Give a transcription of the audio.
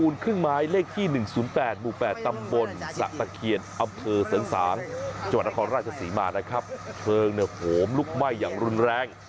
สามจัวรธครราชสมจักรนะคะเคลื่องโหมลุกไหม้อย่างรุนแรง